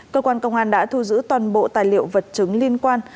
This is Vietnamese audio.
cơ quan công an đã thu giữ toàn bộ tài liệu vật chứng liên quan